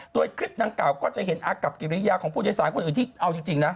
โดยคลิปดังกล่าก็จะเห็นอากับกิริยาของผู้โดยสารคนอื่นที่เอาจริงนะ